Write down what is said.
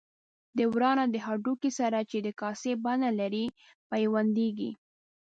د ورانه د هډوکي سره چې د کاسې بڼه لري پیوندېږي.